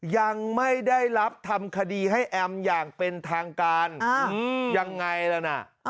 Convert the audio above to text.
ยังไม่ได้รับทำคดีให้แอมอย่างเป็นทางการยังไงล่ะ